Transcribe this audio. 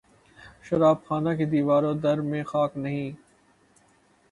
شراب خانہ کے دیوار و در میں خاک نہیں